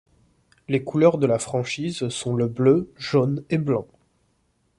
Les couleurs de la franchise sont le bleu, jaune et blanc.